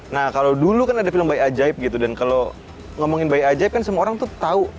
nah kalau dulu kan ada film bayi ajaib gitu dan kalau ngomongin bayi ajaib kan semua orang tuh tahu